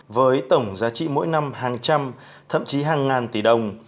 với tổng giá trị mỗi năm hàng trăm thậm chí hàng ngàn tỷ đồng